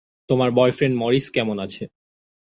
তোমার boyfriend Morris কেমন আছে?